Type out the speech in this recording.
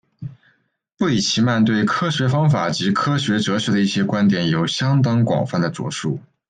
布里奇曼对科学方法及科学哲学的一些观点有相当广泛的着述。